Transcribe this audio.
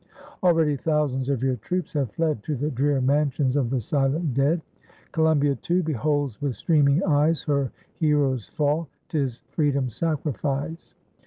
Already thousands of your troops have fled To the drear mansions of the silent dead: Columbia, too, beholds with streaming eyes Her heroes fall 'tis freedom's sacrifice!